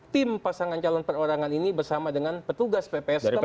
tim pasangan calon perorangan ini bersama dengan petugas pps